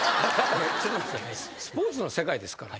スポーツの世界ですから。